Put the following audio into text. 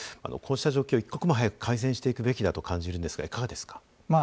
こうした状況一刻も早く改善していくべきだと感じるんですがいかがですか？